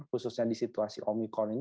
khususnya di situasi omikron ini